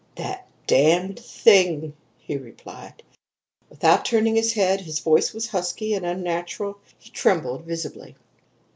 "'That Damned Thing!' he replied, without turning his head. His voice was husky and unnatural. He trembled visibly.